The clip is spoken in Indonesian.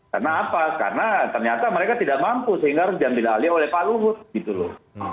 karena apa karena ternyata mereka tidak mampu sehingga harus dibilang oleh pak luhut gitu loh